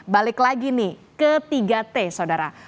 balik lagi nih ke tiga t saudara